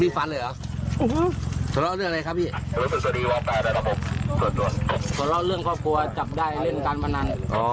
พอเล่าเรื่องครอบครัวจับได้เล่นการพนัน